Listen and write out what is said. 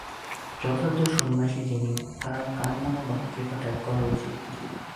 যথার্থ সন্ন্যাসী যিনি, তাঁর কায়মনোবাক্যে এটা ত্যাগ করা উচিত।